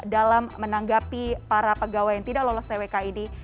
dalam menanggapi para pegawai yang tidak lolos twk ini